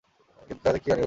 কিন্তু তাহাতে কী হানি হইল।